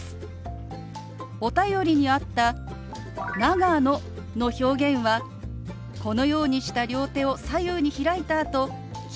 お便りにあった「長野」の表現はこのようにした両手を左右に開いたあと利き手